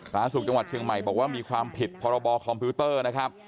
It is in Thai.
สาธารณสุขจังหวัดเชียงใหม่บอกว่ามีความผิดพรบคอมพิวเตอร์นะครับ